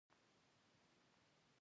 د مطالبو د انتخاب طرز او تصحیح.